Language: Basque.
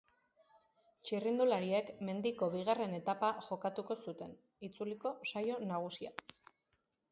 Txirrindulariek mendiko bigarren etapa jokatuko zuten, itzuliko saio nagusia.